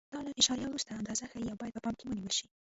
دا له اعشاریه وروسته اندازه ښیي او باید په پام کې ونیول شي.